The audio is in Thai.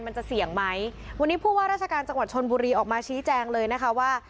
มันจะเสี่ยงไหมวันนี้ผู้ว่าราชการจังหวัดชนบุรีออกมาชี้แจงเลยนะคะว่า